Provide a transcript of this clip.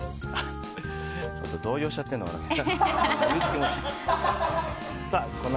ちょっと動揺しちゃってるのかな。